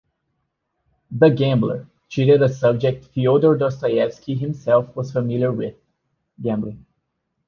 "The Gambler" treated a subject Fyodor Dostoyevsky himself was familiar with-gambling.